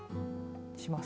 します。